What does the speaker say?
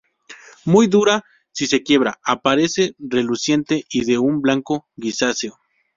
Muy dura, si se quiebra aparece reluciente y de un blanco grisáceo.